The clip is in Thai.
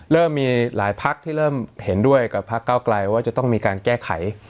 เริ่มมีหลายพักที่เริ่มเห็นด้วยกับพักเก้าไกลว่าจะต้องมีการแก้ไข